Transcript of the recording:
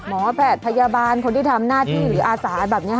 แพทย์พยาบาลคนที่ทำหน้าที่หรืออาสาแบบนี้